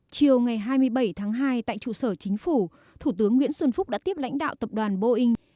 chiều ngày hai mươi bảy tháng hai tại trụ sở chính phủ thủ tướng nguyễn xuân phúc đã tiếp lãnh đạo tập đoàn boeing